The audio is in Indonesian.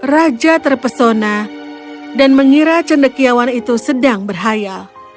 raja terpesona dan mengira cendekiawan itu sedang berhayal